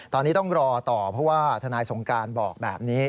ตอนนี้ต้องรอต่อเพราะว่าทนายสงการบอกแบบนี้